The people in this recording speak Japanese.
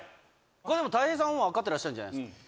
これでもたい平さん分かってらっしゃるんじゃないですか？